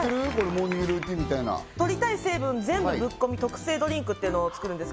モーニングルーティンみたいなとりたい成分全部ぶっ込み特製ドリンクっていうのを作るんです